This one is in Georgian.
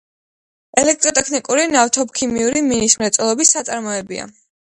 ელექტროტექნიკური, ნავთობქიმიური, მინის მრეწველობის საწარმოებია.